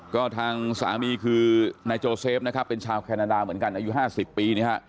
ก็ทางสามีคือนายโจเซฟนะครับเป็นชาวแคนาดาเหมือนกันอายุ๕๐ปี